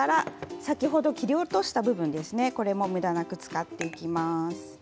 先ほど切り落とした部分もむだなく使っていきます。